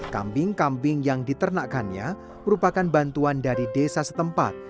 kambing kambing yang diternakkannya merupakan bantuan dari desa setempat